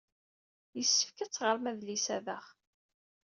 Yessefk ad teɣrem adlis-a daɣ.